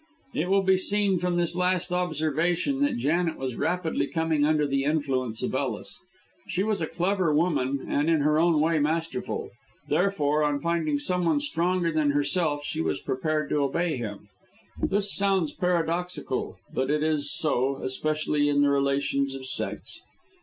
It will be seen from this last observation that Janet was rapidly coming under the influence of Ellis. She was a clever woman, and, in her own way, masterful; therefore, on finding someone stronger than herself, she was prepared to obey him. This sounds paradoxical, but it is so, especially in the relations of sex.